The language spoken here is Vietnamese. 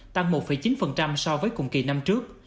tăng một chín so với cùng kỳ năm trước